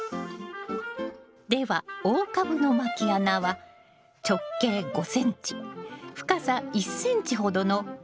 では大株のまき穴は直径５ｃｍ深さ１ｃｍほどの穴を２つ。